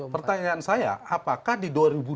pertanyaan saya apakah di dua ribu dua puluh